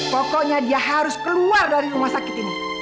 pokoknya dia harus keluar dari rumah sakit ini